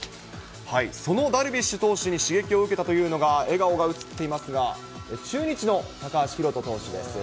そのダルビッシュ投手に刺激を受けたというのが、笑顔が写っていますが、中日の高橋宏斗投手です。